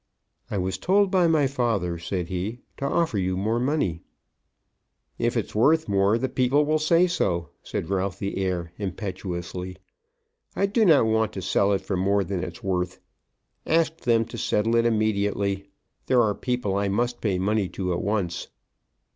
"I was told by my father," said he, "to offer you more money." "If it's worth more the people will say so," said Ralph the heir, impetuously; "I do not want to sell it for more than it's worth. Ask them to settle it immediately. There are people I must pay money to at once."